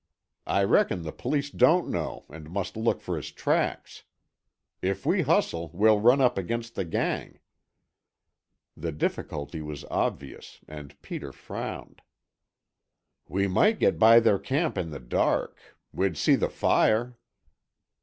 I reckon the police don't know and must look for his tracks. If we hustle, we'll run up against the gang." The difficulty was obvious and Peter frowned. "We might get by their camp in the dark. We'd see the fire."